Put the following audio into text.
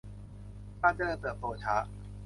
การเจริญเติบโตช้า